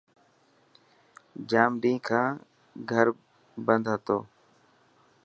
ڄام ڏينهن کان گهر بندو هتو.